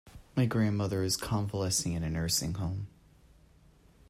My grandmother is convalescing in a nursing home.